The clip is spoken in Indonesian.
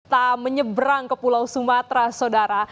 tak menyeberang ke pulau sumatera saudara